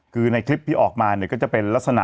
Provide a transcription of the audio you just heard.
คือในคลิปที่ออกมาเนี่ยก็จะเป็นลักษณะ